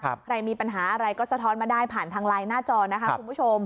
ใครมีปัญหาอะไรก็สะท้อนมาได้ผ่านทางไลน์หน้าจอนะคะคุณผู้ชม